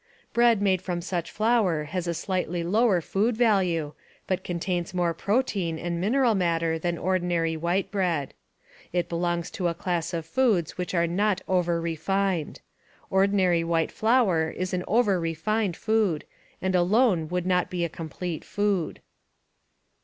Bread made from such flour has a slightly lower food value, but contains more protein and mineral matter than ordinary white bread. It belongs to a class of foods which are not over refined. Ordi nary white flour is an over refined food, and alone would not be a com plete food.